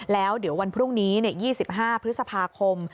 แล้วเดี๋ยววันพรุ่งนี้๒๕พฤษภาคม